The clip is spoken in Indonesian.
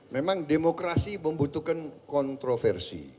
memang demokrasi membutuhkan kontroversi